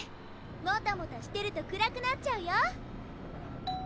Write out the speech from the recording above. もたもたしてると暗くなっちゃうよ？